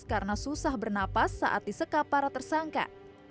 karena susah bernapas saat disekap para tersangka